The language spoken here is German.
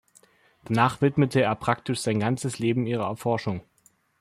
Danach widmete er praktisch sein ganzes Leben ihrer Erforschung.